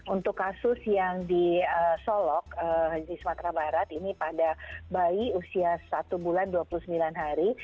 untuk kasus yang di solok di sumatera barat ini pada bayi usia satu bulan dua puluh sembilan hari